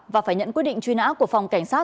và phải nhận quyết định truy nã của phòng cảnh sát